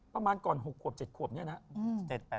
ประมาณก่อน๖ขวบ๗ขวบเนี่ยนะ